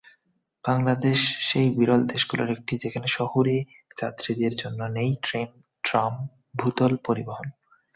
বাংলাদেশ সেই বিরল দেশগুলোর একটি, যেখানে শহুরে যাত্রীদের জন্য নেই ট্রেন-ট্রাম-ভূতল পরিবহন।